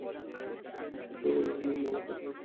না, কিন্তু ম্যাম, আমি তো আমার জন্য কিছু চাচ্ছি না।